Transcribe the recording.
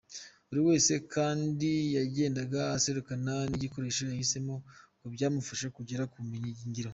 Buri wese kandi yagendaga aserukana igikoresho yahisemo mu byamufasha kugera ku bumenyi ngiro.